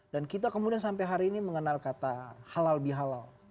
dan kita kemudian sampai hari ini mengenal kata halal bihalal